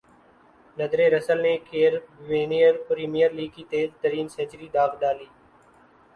ندرے Russell نے Caribbeans Premier league کی تیز ترین سنچری داغ ڈالی